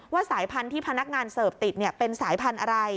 สายพันธุ์ที่พนักงานเสิร์ฟติดเป็นสายพันธุ์อะไร